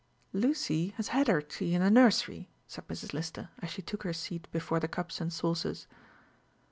"Lucy has had her tea in the nursery," said Mrs. Lister, as she took her seat before the cups and saucers.